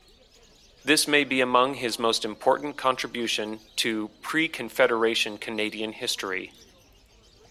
This may be among his most important contribution to pre-Confederation Canadian history.